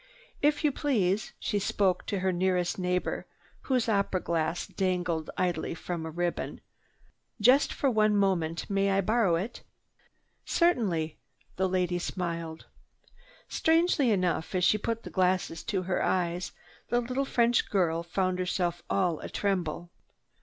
"If you please—" she spoke to her nearest neighbor whose opera glass dangled idly from a ribbon. "Just for one moment, may I borrow it?" "Certainly." The lady smiled. Strangely enough, as she put the glass to her eyes, the little French girl found herself all atremble.